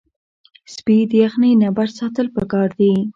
سپي د یخنۍ نه بچ ساتل پکار دي.